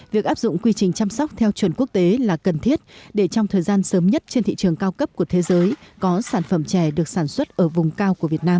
việc áp dụng quy trình chăm sóc theo chuẩn quốc tế là cần thiết để trong thời gian sớm nhất trên thị trường cao cấp của thế giới có sản phẩm chè được sản xuất ở vùng cao của việt nam